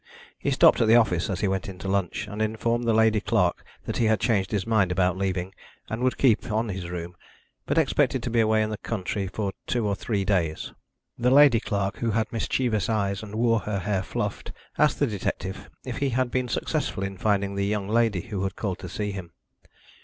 He stopped at the office as he went in to lunch, and informed the lady clerk that he had changed his mind about leaving, and would keep on his room, but expected to be away in the country for two or three days. The lady clerk, who had mischievous eyes and wore her hair fluffed, asked the detective if he had been successful in finding the young lady who had called to see him.